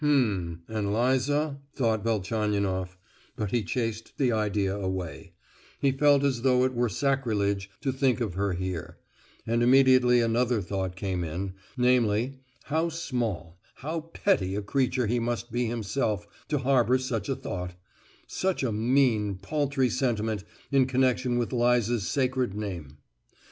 "H'm! and Liza?" thought Velchaninoff, but he chased the idea away, he felt as though it were sacrilege to think of her here; and immediately another thought came in, namely, how small, how petty a creature he must be himself to harbour such a thought—such a mean, paltry sentiment in connection with Liza's sacred name.